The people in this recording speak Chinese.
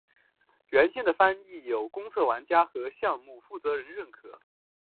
原先的翻译有得到公测玩家和项目负责人认可。